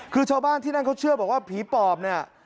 คือชาวบ้านที่นั่นเขาเชื่อบอกว่าผีปอบเนี่ย